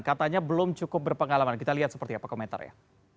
katanya belum cukup berpengalaman kita lihat seperti apa komentarnya